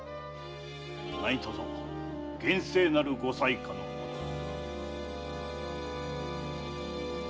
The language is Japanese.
何とぞ厳正なるご裁可のほどを。